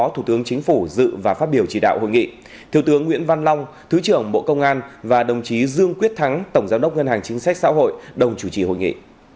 thứ trưởng nguyễn văn long thứ trưởng bộ công an và đồng chí dương quyết thắng tổng giám đốc ngân hàng chính sách xã hội đồng chủ trì hội nghị